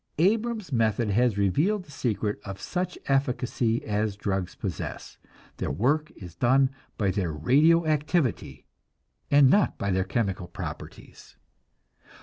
Abrams' method has revealed the secret of such efficacy as drugs possess their work is done by their radio activity, and not by their chemical properties.